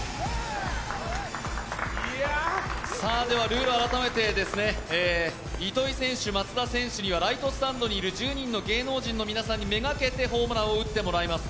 ルールを改めて、糸井選手、松田選手にはライトスタンドにいる１０人の芸能人の皆さんにめがけてホームランを打ってもらいます。